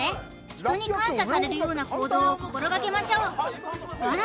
人に感謝されるような行動を心がけましょうあら